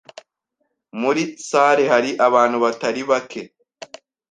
Muri salle hari abantu batari bake